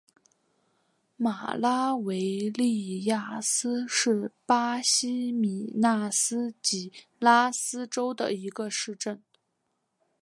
马拉维利亚斯是巴西米纳斯吉拉斯州的一个市镇。